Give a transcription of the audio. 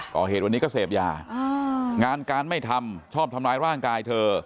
ก่อเหตุวันนี้ก็เสพยางานการไม่ทำชอบทำร้ายร่างกายเธอ